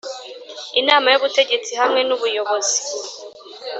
Inama y Ubutegetsi hamwe n Ubuyobozi